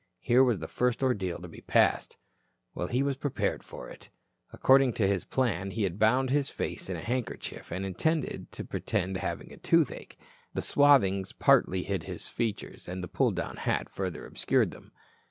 Here was the first ordeal to be passed. Well, he was prepared for it. According to his plan, he had bound his face in a handkerchief and intended to pretend having the toothache. The swathings partly hid his features, and the pulled down hat further obscured them.